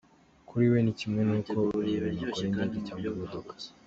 Kuri we, ni kimwe n’uko umuntu akora Indege cyangwa imodoka.